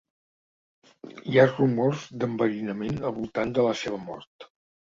Hi ha rumors d'enverinament al voltant de la seva mort.